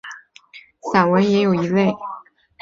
散文中也有一类。